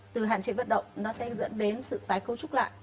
từ hạn chế vận động nó sẽ dẫn đến sự tái cấu trúc lại